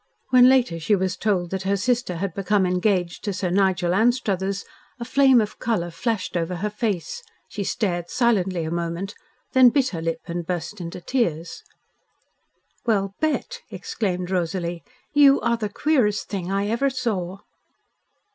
When later she was told that her sister had become engaged to Sir Nigel Anstruthers, a flame of colour flashed over her face, she stared silently a moment, then bit her lip and burst into tears. "Well, Bett," exclaimed Rosalie, "you are the queerest thing I ever saw."